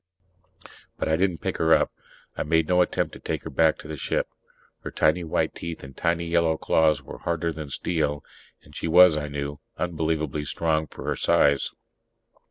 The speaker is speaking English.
But I didn't pick her up. I made no attempt to take her back to the ship. Her tiny white teeth and tiny yellow claws were harder than steel; and she was, I knew, unbelievably strong for her size.